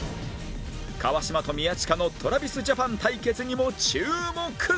川島と宮近の ＴｒａｖｉｓＪａｐａｎ 対決にも注目